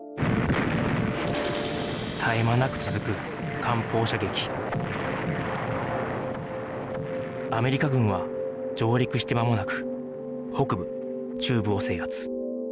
絶え間なく続くアメリカ軍は上陸してまもなく北部中部を制圧